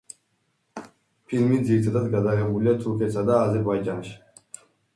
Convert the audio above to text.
ფილმი ძირითადად გადაღებულია თურქეთსა და აზერბაიჯანში.